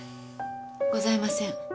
ございません。